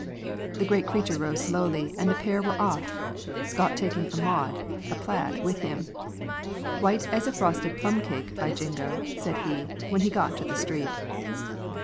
The great creature rose slowly, and the pair were off, Scott taking a maud (a plaid) with him. "White as a frosted plum cake, by jingo!" said he, when he got to the street.